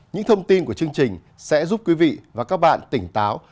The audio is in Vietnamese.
những thông tin của chương trình sẽ giúp quý vị và các bạn tỉnh táo